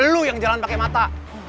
lu yang jalan pakai mata